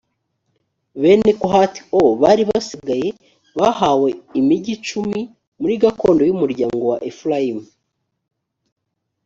bene kohati o bari basigaye bahawe imigi icumi muri gakondo y umuryango wa efurayimu